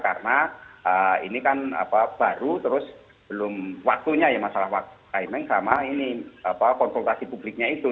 karena ini kan baru terus belum waktunya ya masalah timing sama konsultasi publiknya itu